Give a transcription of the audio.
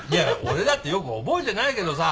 俺だってよく覚えてないけどさ。